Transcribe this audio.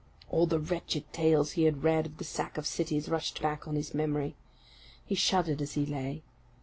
All the wretched tales he had read of the sack of cities rushed back on his memory. He shuddered as he lay.